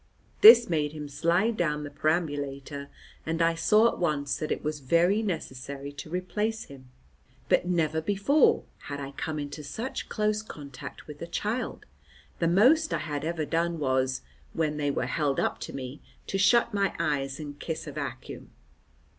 This made him slide down the perambulator, and I saw at once that it was very necessary to replace him. But never before had I come into such close contact with a child; the most I had ever done was, when they were held up to me, to shut my eyes and kiss a vacuum.